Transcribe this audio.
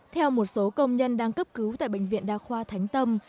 theo một số công nhân đang cấp cứu tại bệnh viện đa khoa thánh tâm